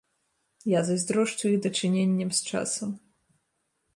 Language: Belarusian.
Я зайздрошчу іх дачыненням з часам.